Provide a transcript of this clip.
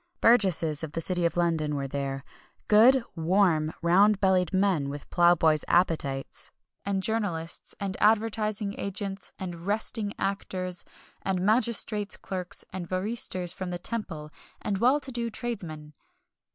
Burgesses of the City of London were there good, "warm," round bellied men, with plough boys' appetites and journalists, and advertising agents, and "resting" actors, and magistrates' clerks, and barristers from the Temple, and well to do tradesmen.